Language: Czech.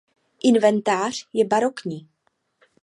Inventář je barokní.